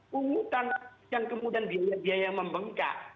penghutang yang kemudian biaya membengkak